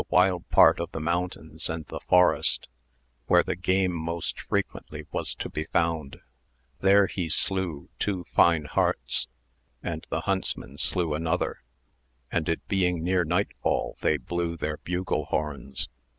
wild paFt of the mountains and the forest, where the game most frequently was to be found ; there he slew two fine hartSy and the huntsmen slew another, and it being near night fall they blew their bugle horns.